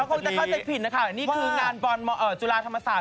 ว่างานยี่โกมามาคือมีความว่างร้อวุดบนของอาหารโจราธรรมศาสตร์